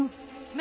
何？